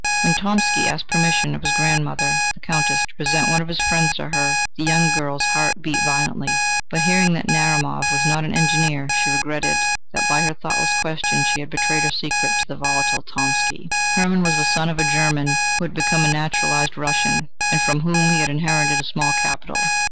When Tomsky asked permission of his grandmother the Countess to present one of his friends to her, the young girl's heart beat violently. But hearing that Narumov was not an Engineer, she regretted that by her thoughtless question, she had betrayed her secret to the volatile Tomsky. Hermann was the son of a German who had become a naturalised Russian, and from whom he had inherited a small capital.